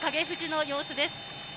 富士の様子です。